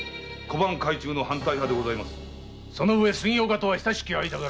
そのうえ杉岡とは親しき間柄。